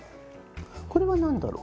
これはなんだろう？